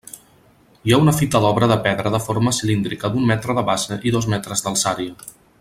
Hi ha una fita d'obra de pedra de forma cilíndrica d'un metre de base i dos metres d'alçària.